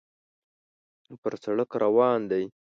پر سړک روان دی.